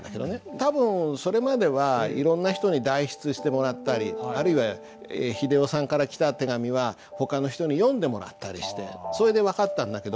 多分それまではいろんな人に代筆してもらったりあるいは英世さんから来た手紙はほかの人に読んでもらったりしてそれで分かったんだけど。